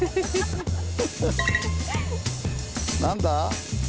何だ？